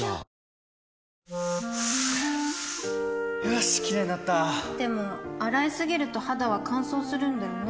よしキレイになったでも、洗いすぎると肌は乾燥するんだよね